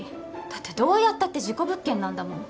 だってどうやったって事故物件なんだもん。